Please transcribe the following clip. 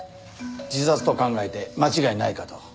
自殺と考えて間違いないかと。